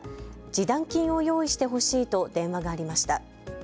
示談金を用意してほしいと電話がありました。